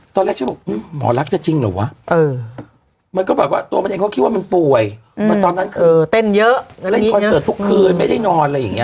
ตอนแรกฉันบอกหมอลักษณ์จะจริงหรือวะตัวมันยังคิดว่ามันป่วยแต่ตอนนั้นเกินเยอะเล่นคอนเสิร์ตทุกคืนไม่ได้นอนอย่างนี้